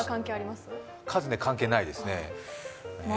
関係ないですね。